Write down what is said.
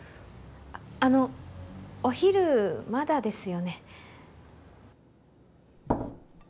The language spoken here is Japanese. あのお昼まだですよね？